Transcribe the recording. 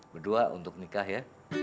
berdua untuk nikah ya